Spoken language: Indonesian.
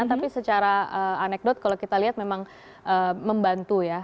tapi secara anekdot kalau kita lihat memang membantu ya